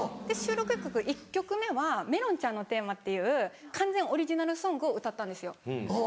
収録曲１曲目は『めろんちゃんのテーマ』っていう完全オリジナルソングを歌ったんですよ。